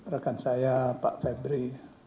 rekan saya pak febri